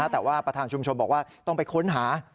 แต่ว่าประธานชุมชนบอกว่าต้องไปค้นหา